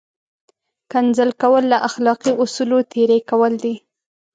کنځل کول له اخلاقي اصولو تېری کول دي!